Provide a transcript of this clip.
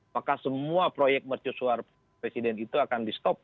maka semua proyek mercusuar presiden itu akan di stop